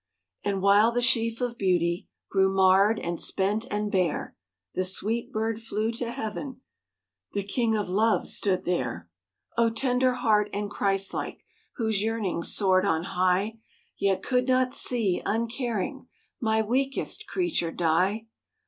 And while the sheaf of beauty Grew marred and spent and bare, The sweet bird flew to heaven; The King of love stood there: "Oh! tender heart and Christlike, Whose yearnings soared on high, Yet could not see, uncaring, My weakest creature die!